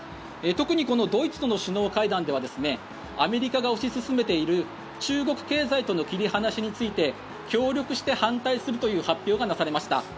特にこのドイツとの首脳会談ではアメリカが推し進めている中国経済との切り離しについて協力して反対するという発表がなされました。